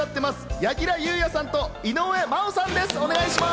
柳楽優弥さんと井上真央さんです。